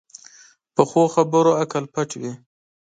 پخو خبرو عقل پټ وي